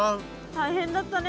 大変だったね